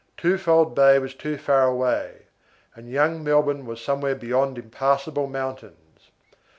Twofold Bay was too far away, and young Melbourne was somewhere beyond impassable mountains.